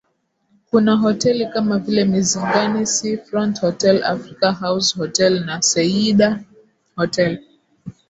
Kuna hoteli kama vile Mizingani Seafront Hotel Africa House Hotel na Seyyida Hotel